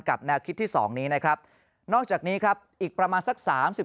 แนวคิดที่๒นี้นะครับนอกจากนี้ครับอีกประมาณสัก๓๔